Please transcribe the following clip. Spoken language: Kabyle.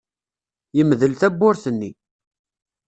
Yemdel tawwurt-nni.